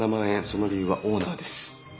その理由はオーナーです。